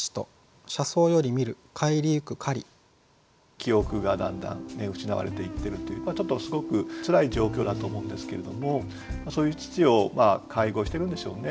記憶がだんだん失われていってるというちょっとすごくつらい状況だと思うんですけれどもそういう父を介護してるんでしょうね。